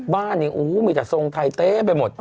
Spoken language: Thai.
บ้านนี้มีแต่ทรงไทยเต้ไปหมด